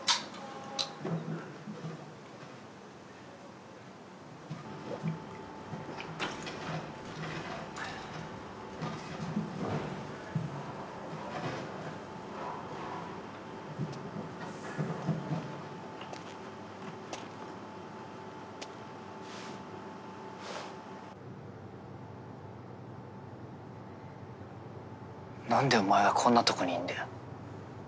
なんでお前がこんなとこにいるんだよ。